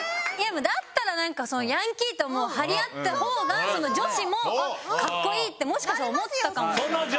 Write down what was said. だったらなんかヤンキーと張り合った方が女子も格好いいってもしかしたら思ったかもしれない。